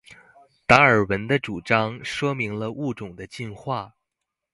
達爾文的主張說明了物種的進化